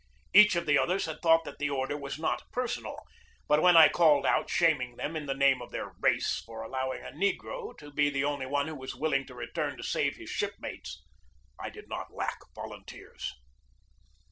Each of the others had thought that the order was not personal. But when I called out, shaming them, in the name of their race, for allowing a negro to be the only one who was willing to return to save his shipmates, I did not lack volunteers.